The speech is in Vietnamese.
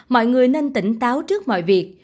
mọi người nên tỉnh táo trước mọi việc